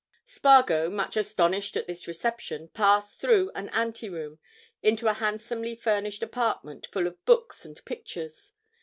Spargo, much astonished at this reception, passed through an ante room into a handsomely furnished apartment full of books and pictures.